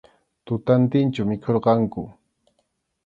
Tutantinchu mikhurqanku.